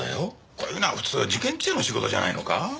こういうのは普通事件記者の仕事じゃないのか？